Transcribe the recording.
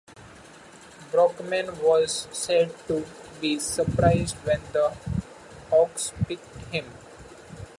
Brockman was said to be surprised when the Hawks picked him.